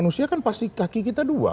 manusia kan pasti kaki kita dua